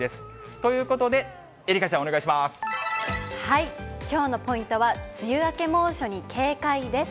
ということで、愛花ちゃん、きょうのポイントは、梅雨明け猛暑に警戒です。